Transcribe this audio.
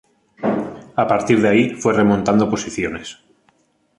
A partir de ahí fue remontando posiciones.